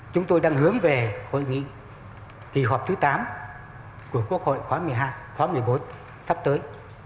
chúng tôi đang hướng về hội nghị kỳ họp thứ tám của quốc hội khóa một mươi bốn sắp tới